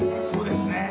そうですね。